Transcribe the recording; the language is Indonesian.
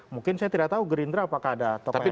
mungkin saya tidak tahu gerindra apakah ada topen lain